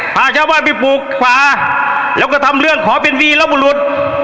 พาชาวบ้านไปปลูกป่าแล้วก็ทำเรื่องขอเป็นวีรบุรุษ